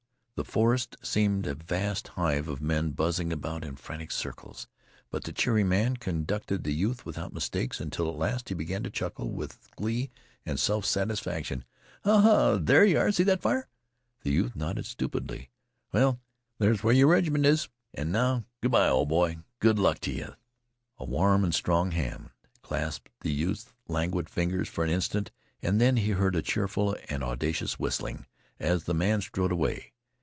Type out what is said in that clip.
The forest seemed a vast hive of men buzzing about in frantic circles, but the cheery man conducted the youth without mistakes, until at last he began to chuckle with glee and self satisfaction. "Ah, there yeh are! See that fire?" The youth nodded stupidly. "Well, there 's where your reg'ment is. An' now, good by, ol' boy, good luck t' yeh." A warm and strong hand clasped the youth's languid fingers for an instant, and then he heard a cheerful and audacious whistling as the man strode away.